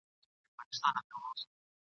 چي قلم مي له لیکلو سره آشنا سوی دی ..